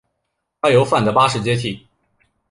他由德范八世接替。